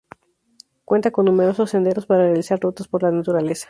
Cuenta con numerosos senderos para realizar rutas por la naturaleza.